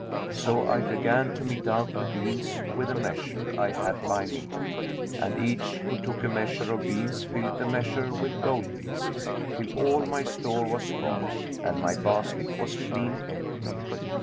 So I began to mete out the beans with a measure I had by me; and each who took a measure of beans filled the measure with gold pieces till all my store was gone and my basket was clean empty.